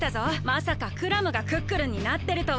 まさかクラムがクックルンになってるとは！